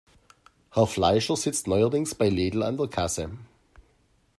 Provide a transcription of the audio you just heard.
Herr Fleischer sitzt neuerdings bei Lidl an der Kasse.